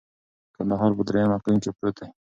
کندهار په دریم اقلیم کي پروت دی.